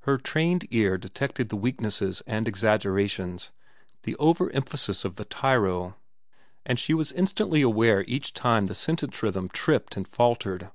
Her trained ear detected the weaknesses and exaggerations, the overemphasis of the tyro, and she was instantly aware each time the sentence rhythm tripped and faltered.